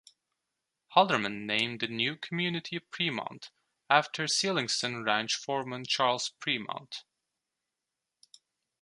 Halderman named the new community Premont, after Seeligson Ranch foreman Charles Premont.